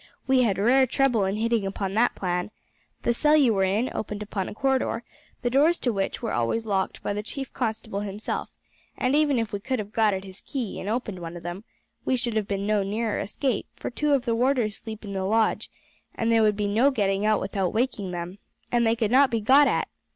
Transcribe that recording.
"We had rare trouble in hitting upon that plan. The cell you were in opened upon a corridor, the doors to which are always locked by the chief constable himself; and even if we could have got at his key, and opened one of them, we should have been no nearer escape, for two of the warders sleep in the lodge, and there would be no getting out without waking them, and they could not be got at.